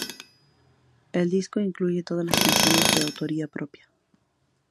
El disco incluye todas las canciones de autoría propia.